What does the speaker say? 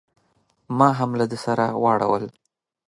ما هم له ده سره واړول.